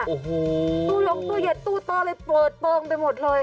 โอ้โหตู้ลงตู้เย็นตู้เตอร์เลยเปิดเปิงไปหมดเลย